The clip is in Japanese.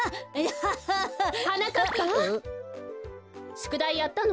しゅくだいやったの？